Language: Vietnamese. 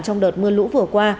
trong đợt mưa lũ vừa qua